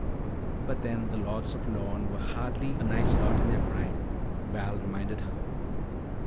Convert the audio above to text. "But then the Lords of Lorne were hardly a nice lot in their prime," Val reminded her.